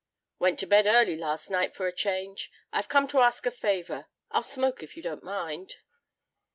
"Went to bed early last night for a change. I've come to ask a favor. I'll smoke, if you don't mind."